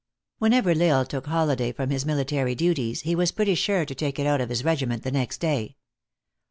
WHENEVER L Isle took holiday from his military duties, he was pretty sure to take it out of his regi ment, the next day.